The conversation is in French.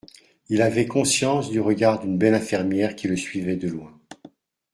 Il avait conscience du regard d’une belle infirmière qui le suivait de loin.